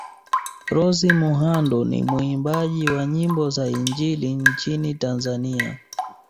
Rose Muhando ni muimbaji wa nyimbo za injili nchini Tanzania